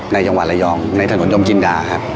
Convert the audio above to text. ในจังหวัดระยองในถนนยมจินดาครับ